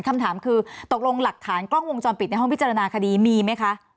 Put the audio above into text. คำถามคือตกลงหลักฐานกล้องวงจรปิดในห้องพิจารณาคดีมีไหมคะ